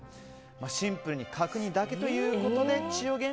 シンプルに角煮だけということで千代幻